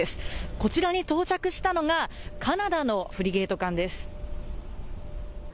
こちらに到着したのがカナダのフリゲート艦です。